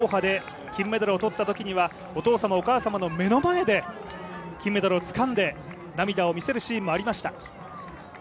ふだんはポーカーフェースの山西利和もドーハで金メダルをとったときには、お父様、お母様の目の前で金メダルをつかんで涙を見せるシーンもありました。